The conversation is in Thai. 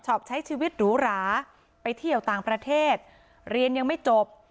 ใช้ชีวิตหรูหราไปเที่ยวต่างประเทศเรียนยังไม่จบ